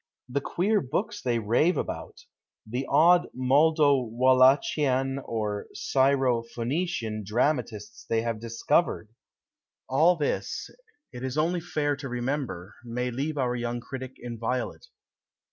The queer books they rave about ! The odd Moldo Wallachian or Syro Phoenician dra matists they have discovered ! All this, it is only fair to remember, may leave our young critic inviolate.